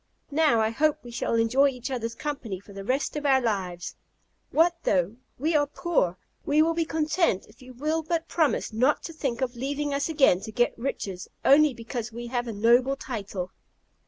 Now, I hope we shall enjoy each other's company for the rest of our lives. What though we are poor! We will be content if you will but promise not to think of leaving us again to get riches, only because we have a noble title."